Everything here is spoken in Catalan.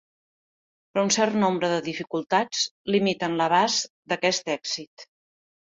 Però un cert nombre de dificultats limiten l'abast d'aquest èxit.